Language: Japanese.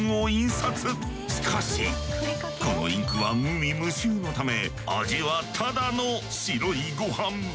しかしこのインクは無味無臭のため味はただの白いごはん。